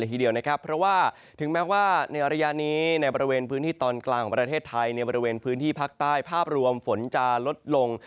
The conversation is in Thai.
ทีเดียวนะครับเพราะว่าถึงแม้ว่าในระยะนี้ในบริเวณพื้นที่ตอนกลางของประเทศไทยในบริเวณพื้นที่ภาคใต้ภาพรวมฝนจะลดลง